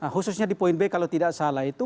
khususnya di poin b kalau tidak salah itu